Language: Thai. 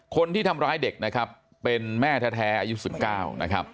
คนที่ทำร้ายเด็กนะครับเป็นแม่แท้อายุ๑๙นะครับ